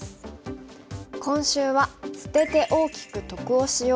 今週は「捨てて大きく得をしよう」。